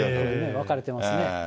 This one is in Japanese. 分かれてますね。